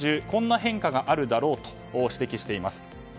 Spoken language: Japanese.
こんな変化があるだろうと指摘しています。